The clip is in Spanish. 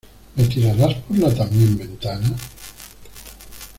¿ Me tirarás por la también ventana?